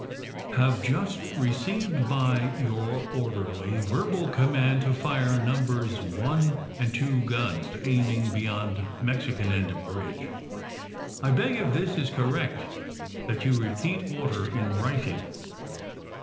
"Have just received by your orderly verbal command to fire nos. one and two guns, aiming beyond Mexican end of bridge. I beg if this is correct that you repeat order in writing.